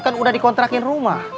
kan udah dikontrakin rumah